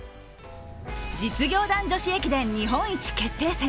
実業団女子駅伝日本一決定戦